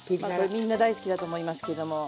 みんな大好きだと思いますけども。